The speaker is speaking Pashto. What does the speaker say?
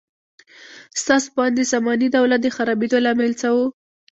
ستاسو په اند د ساماني دولت د خرابېدو لامل څه و؟